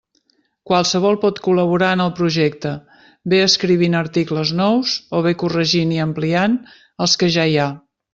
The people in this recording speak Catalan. Qualsevol pot col·laborar en el projecte, bé escrivint articles nous, o bé corregint i ampliant els que ja hi ha.